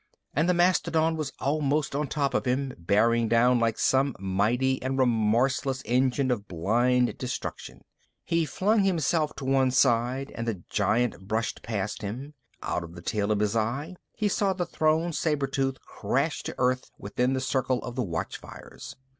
And the mastodon was almost on top of him, bearing down like some mighty and remorseless engine of blind destruction. He flung himself to one side and the giant brushed past him. Out of the tail of his eye, he saw the thrown saber tooth crash to Earth within the circle of the watchfires.